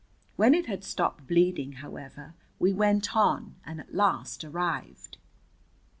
When it had stopped bleeding, however, we went on, and at last arrived.